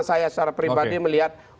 saya secara pribadi melihat